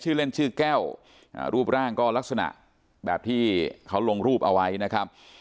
เล่นชื่อแก้วรูปร่างก็ลักษณะแบบที่เขาลงรูปเอาไว้นะครับ